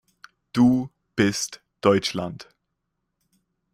Du bist Deutschland.